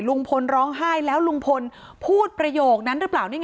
ลุงพลร้องไห้แล้วลุงพลพูดประโยคนั้นหรือเปล่านี่ไง